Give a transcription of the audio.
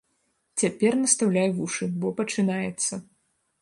Цяпер настаўляй вушы, бо пачынаецца.